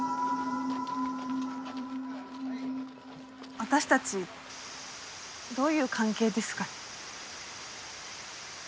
私たちどういう関係ですかね？